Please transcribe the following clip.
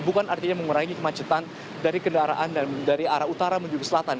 bukan artinya mengurangi kemacetan dari kendaraan dari arah utara menuju ke selatan